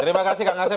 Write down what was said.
terima kasih kak ngasib